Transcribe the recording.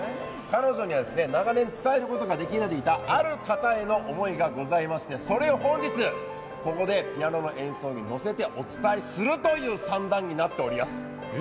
彼女には、長年伝えることができないでいたある方への思いがございましてそれを本日ここでピアノの演奏に乗せてお伝えするという算段になっています。